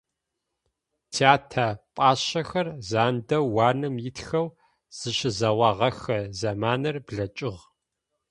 Тятэ пӏашъэхэр зандэу уанэм итхэу зыщызэогъэхэ зэманыр блэкӀыгъ.